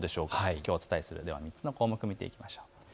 きょうお伝えする３つの項目を見ていきます。